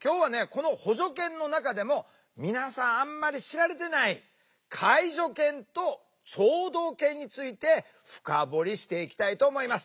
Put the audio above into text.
この補助犬の中でも皆さんあんまり知られていない介助犬と聴導犬について深掘りしていきたいと思います。